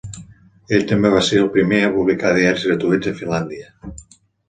Ell també va ser el primer a publicar diaris gratuïts a Finlàndia.